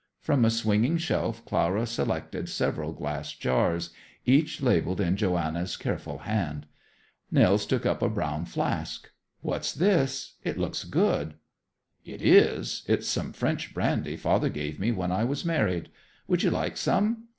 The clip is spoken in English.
From a swinging shelf Clara selected several glass jars, each labeled in Johanna's careful hand. Nils took up a brown flask. "What's this? It looks good." "It is. It's some French brandy father gave me when I was married. Would you like some?